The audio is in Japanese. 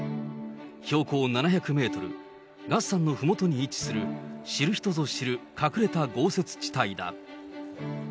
標高７００メートル、月山のふもとに位置する知る人ぞ知る隠れた豪雪地帯だ。